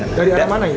dari arah mana ini